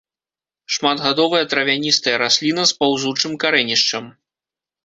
Шматгадовая травяністая расліна з паўзучым карэнішчам.